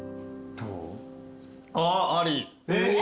どう？